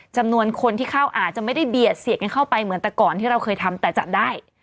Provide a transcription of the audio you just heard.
จำนวนคนที่เข้าอาจจะไม่ได้เบียดเสียดกันเข้าไปเหมือนแต่ก่อนที่เราเคยทำแต่จัดได้